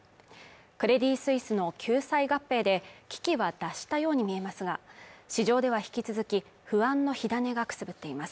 クレディ・スイスの救済合併で危機は脱したように見えますが、市場では引き続き不安の火種がくすぶっています。